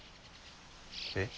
えっ？